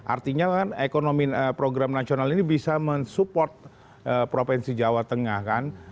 artinya kan program nasional ini bisa mensupport provinsi jawa tengah kan